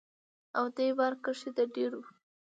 او دې باره کښې دَ ډيرو